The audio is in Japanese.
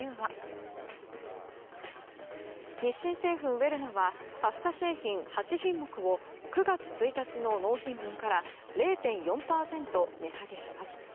ウェルナはパスタ製品８品目を９月１日の納品分から０．４％値下げします。